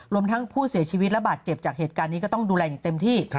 รวมทั้งผู้เสียชีวิตระบาดเจ็บจากเหตุการณ์นี้ก็ต้องดูแลอย่างเต็มที่